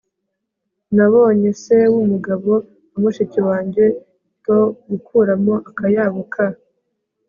nabonye se wumugabo wa mushiki wanjye-to-gukuramo akayabo ka